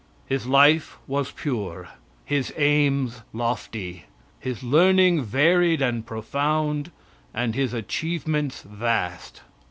His life was pure, his aims lofty, his learning varied and profound, and his achievements vast.